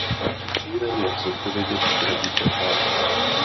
Cílem je zodpovědět co nejvíce otázek.